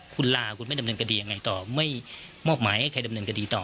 คุณลาคุณไม่ดำเนินคดียังไงต่อไม่มอบหมายให้ใครดำเนินคดีต่อ